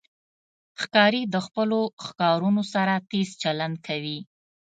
ښکاري د خپلو ښکارونو سره تیز چلند کوي.